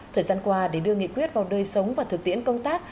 thời gian qua để đưa nghị quyết vào đời sống và thực tiễn công tác